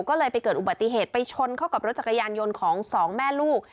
ก็เลยไปเกิดอุบัติเหตุไปชนเข้ากับรถจักรยานยนต์ของสองแม่ลูก